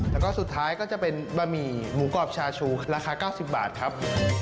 แล้วก็สุดท้ายก็จะเป็นบะหมี่หมูกรอบชาชูราคา๙๐บาทครับ